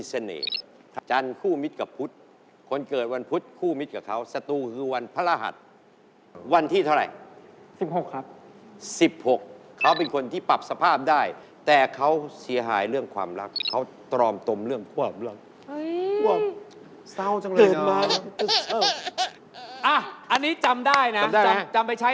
เส้นเสาอยู่เนินขิดเส้นสมองอีกป้ายักเส้นหนึ่งขิดเส้นใจ